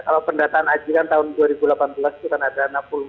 kalau pendataan ajuran tahun dua ribu delapan belas itu kan ada enam puluh empat